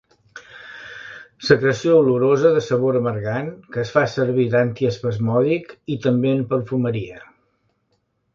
Secreció olorosa de sabor amargant que es fa servir d'antiespasmòdic i també en perfumeria.